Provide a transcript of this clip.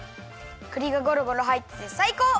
くりがゴロゴロはいっててさいこう！